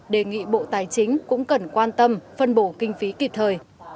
đề nghị bộ tài chính cũng cần quan tâm phân bổ kinh phí kịp thời